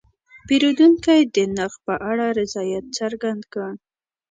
پیرودونکی د نرخ په اړه رضایت څرګند کړ.